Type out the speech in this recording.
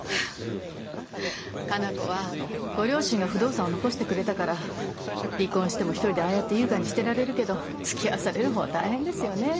加奈子はご両親が不動産を残してくれたから離婚しても一人でああやって優雅にしてられるけど付き合わされる方は大変ですよね。